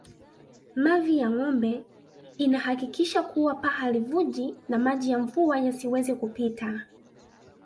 Mavi ya ngombe inahakikisha kuwa paa halivuji na maji ya mvua yasiweze kupita